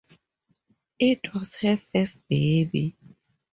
It was her first baby.